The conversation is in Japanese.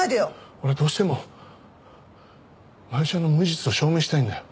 俺どうしても真弓ちゃんの無実を証明したいんだよ。